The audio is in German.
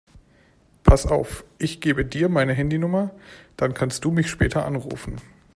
Pass auf, ich gebe dir meine Handynummer, dann kannst du mich später anrufen.